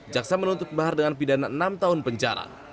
jaksa menuntut bahar dengan pidana enam tahun penjara